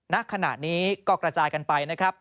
ณขณะนี้ก็กระจายกันไปนะครับ